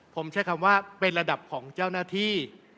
ผมใช้คำว่าเป็นระดับของเจ้าหน้าที่